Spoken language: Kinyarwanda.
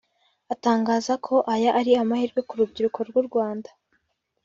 atangaza ko aya ari amahirwe ku rubyiruko rw’u Rwanda